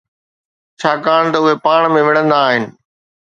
ڇاڪاڻ ته اهي پاڻ ۾ وڙهندا آهن